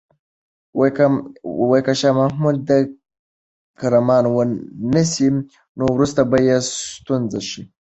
که شاه محمود کرمان ونه نیسي، نو وروسته به یې ستونزه شي.